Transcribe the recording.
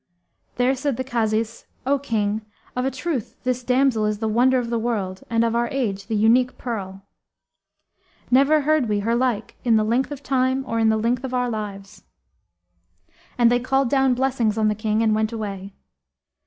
There said the Kazis, "O King, of a truth this damsel is the wonder of the world, and of our age the unique pearl! Never heard we her like in the length of time or in the length of our lives." And they called down blessings on the King and went away.